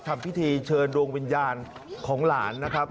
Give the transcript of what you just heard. ทำพิธีเชิญดวงวิญญาณของหลานนะครับ